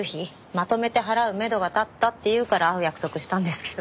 まとめて払うめどが立ったって言うから会う約束したんですけど。